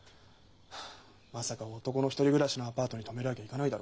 はあまさか男の一人暮らしのアパートに泊めるわけいかないだろ。